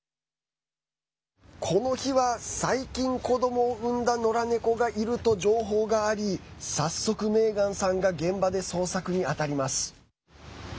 この日は、最近、子どもを産んだのら猫がいると情報があり早速メーガンさんが現場で捜索にあたります。